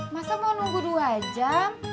masa mau nunggu dua jam